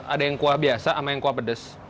ada yang kuah biasa sama yang kuah pedes